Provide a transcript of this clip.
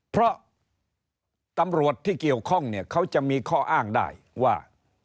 เพราะตำรวจที่เกี่ยวข้องเนี่ยเขาจะมีข้ออ้างได้ว่า